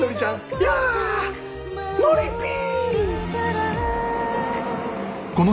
いやぁノリピー！